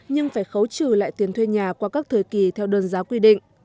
nhưng phải khấu trừ lại tiền thuê nhà qua các thời kỳ theo đơn giá quy định